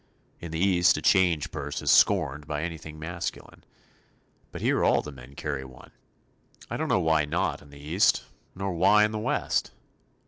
In the East a change purse is scorned by anything masculine, but here all the men carry one, I don't know why not in the East, nor why in the West.